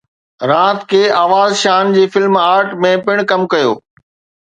راحت ڪي آواز شان جي فلم ارٿ ۾ پڻ ڪم ڪيو